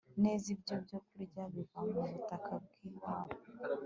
neza ibyo byokurya biva mu butaka bwiwabo